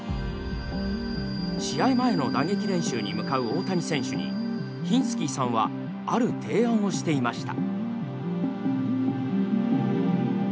試合前の打撃練習に向かう大谷選手にヒンスキーさんはある提案をしていました。